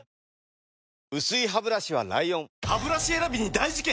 薄いハブラシは ＬＩＯＮハブラシ選びに大事件！